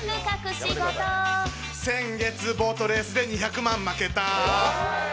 先月ボートレースで２００万負けた。